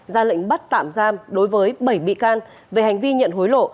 ra lệnh bắt tạm giam đối với bảy bị can về hành vi nhận hối lộ